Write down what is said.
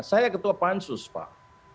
saya ketua pansus pak